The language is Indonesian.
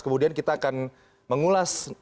kemudian kita akan mengulas